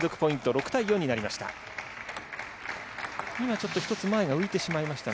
６対４になりました。